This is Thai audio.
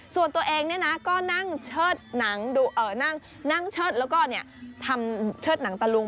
ส่วนตัวเองก็นั่งเชิดนั่งเชิดแล้วก็ทำเชิดหนังตะลุง